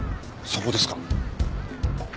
そこですか？